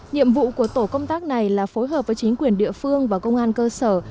nhiệm vụ của tổ công tác này là phối hợp với chính quyền địa phương và công an cơ sở